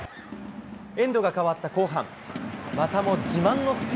エンドが変わった後半。